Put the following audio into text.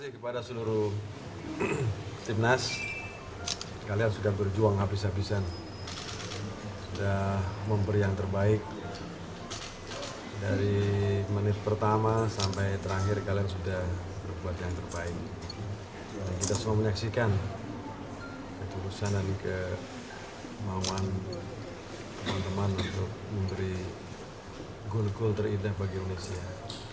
kedai kemauan teman teman untuk memberi gul gul terindah bagi indonesia